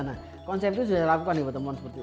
nah konsep itu sudah dilakukan di ketembon seperti itu